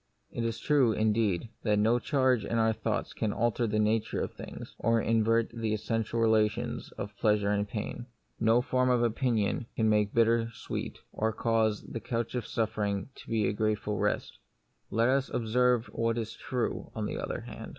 It is true, indeed, that no change in our thoughts can alter the nature of things, or invert the essential relations of pleasure and pain. No form of opinion can make bitter sweet, or cause the couch of suffering to be a grateful rest. Yet let us observe what is true, on the other hand.